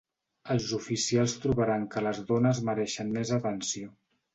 Els oficials trobaran que les dones mereixen més atenció.